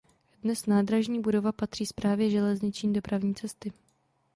Dnes nádražní budova patří Správě železniční dopravní cesty.